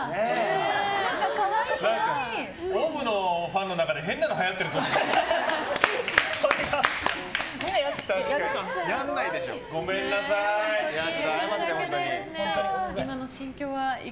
ＯＷＶのファンの中で変なのはやってるみたい。